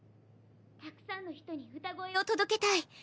「たくさんの人に歌声を届けたい。